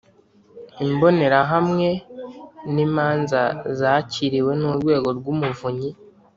Imbonerahamwe no imanza zakiriwe n urwego rw umuvunyi